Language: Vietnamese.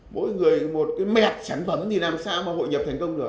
mỗi người một cái mẹt sản phẩm thì làm sao mà hội nhập thành công được